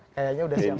kayaknya sudah siap siap